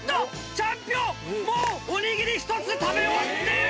チャンピオンもうおにぎり１つ食べ終わっている。